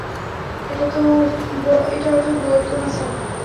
এটা তো বলতো না স্যার।